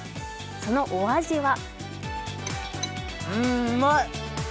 そのお味は？